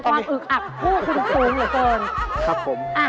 ความอึกอักคู่คุ้นซบบนหรือเติม